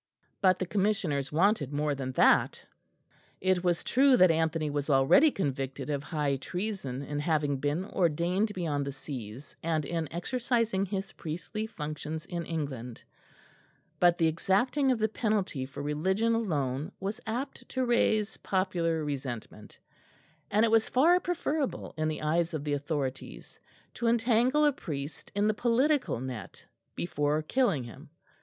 But the Commissioners wanted more than that; it was true that Anthony was already convicted of high treason in having been ordained beyond the seas and in exercising his priestly functions in England; but the exacting of the penalty for religion alone was apt to raise popular resentment; and it was far preferable in the eyes of the authorities to entangle a priest in the political net before killing him.